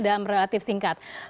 dalam relatif singkat